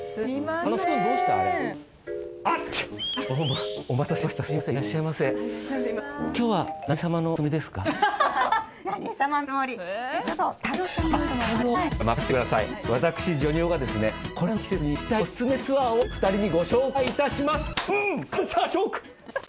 これからの季節に行きたいおすすめツアーを２人にご紹介いたします